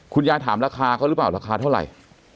คุณยายถามราคาเขาหรือเปล่าราคาเท่าไหร่